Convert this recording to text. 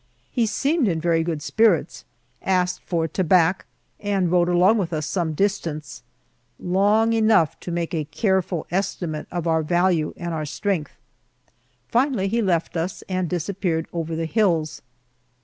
He seemed in very good spirits, asked for "tobac," and rode along with us some distance long enough to make a careful estimate of our value and our strength. Finally he left us and disappeared over the hills.